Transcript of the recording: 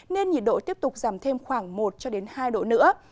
nên nhiệt độ tiếp tục giảm thêm khoảng một cho đến hai độ nữa